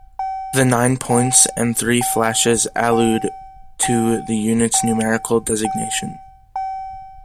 The nine points and three flashes allude to the unit's numerical designation.